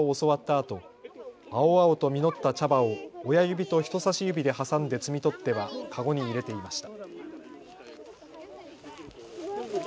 あと青々と実った茶葉を親指と人さし指で挟んで摘み取っては籠に入れていました。